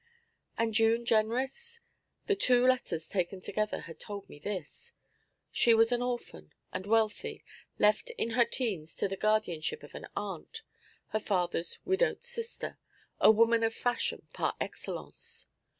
And June Jenrys? The two letters taken together had told me this: She was an orphan, and wealthy, left in her teens to the guardianship of an aunt, her father's widowed sister, a woman of fashion par excellence.